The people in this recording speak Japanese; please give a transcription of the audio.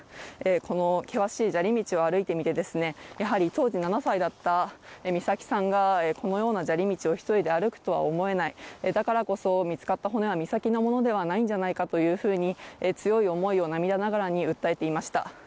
この険しい砂利道を歩いてみてやはり当時７歳だった美咲さんがこのような砂利道を一人で歩くとは思えない、だからこそ、見つかった骨は美咲のものではないんじゃないかというふうに強い思いを涙ながらに訴えていました。